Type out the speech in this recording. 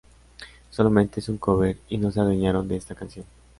Solamente es un cover y no se adueñaron de esta canción.